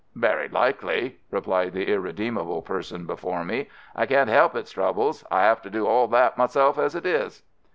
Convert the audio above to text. "Very likely," replied the irredeemable person before me. "I can't help its troubles. I have to do all that myself as it is."